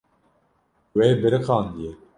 Wê biriqandiye.